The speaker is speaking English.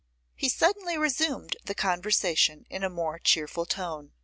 He suddenly resumed the conversation in a more cheerful tone.